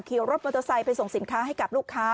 รถมอเตอร์ไซค์ไปส่งสินค้าให้กับลูกค้า